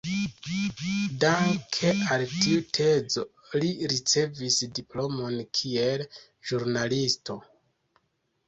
Danke al tiu tezo li ricevis diplomon kiel ĵurnalisto.